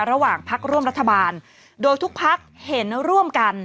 ระหว่างพักร่วมรัฐบาลโดยทุกพักเห็นร่วมกัน